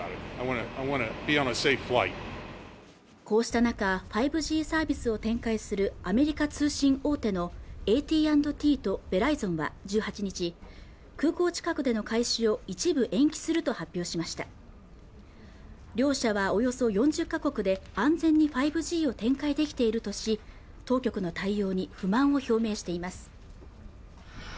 こうした中５Ｇサービスを展開するアメリカ通信大手のＡＴ＆Ｔとベライゾンは１８日空港近くでの開始を一部延期すると発表しました両社はおよそ４０か国で安全に５Ｇを展開できているとし当局の対応に不満を表明しています